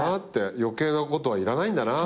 余計なことはいらないんだなって。